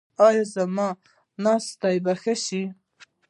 ایا زما ناسته به ښه شي؟